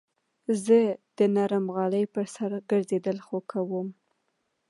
زه د نرم غالۍ پر سر ګرځېدل خوښوم.